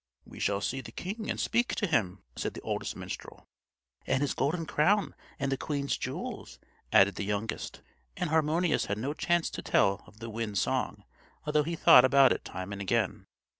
"We shall see the king and speak to him," said the oldest minstrel. "And his golden crown and the queen's jewels," added the youngest; and Harmonius had no chance to tell of the wind's song, although he thought about it time and again.